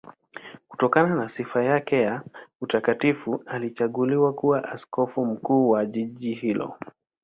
Kutokana na sifa yake ya utakatifu alichaguliwa kuwa askofu mkuu wa jiji hilo.